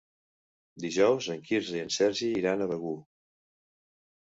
Dijous en Quirze i en Sergi iran a Begur.